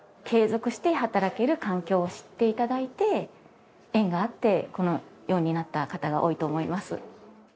継続して働ける環境を知って頂いて縁があってこのようになった方が多いと思います。